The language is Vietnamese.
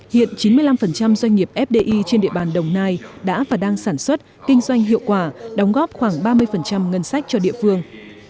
hiện chín mươi năm doanh nghiệp fdi trên địa bàn đồng nai đã và đang sản xuất kinh doanh hiệu quả đóng góp khoảng ba mươi ngân sách cho địa phương